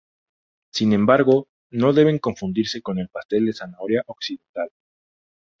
Sin embargo, no deben confundirse con el pastel de zanahoria occidental.